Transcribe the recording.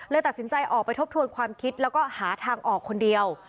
ตัดสินใจออกไปทบทวนความคิดแล้วก็หาทางออกคนเดียว